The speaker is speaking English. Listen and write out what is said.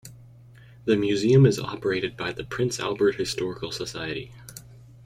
The museum is operated by the Prince Albert Historical Society.